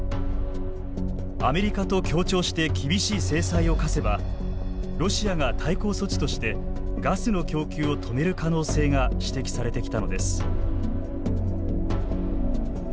アメリカと協調して厳しい制裁を科せばロシアが対抗措置としてガスの供給を止める可能性が指摘されてきたのです。